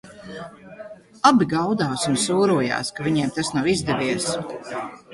Abi gaudās un sūrojās, ka viņiem tas nav izdevies.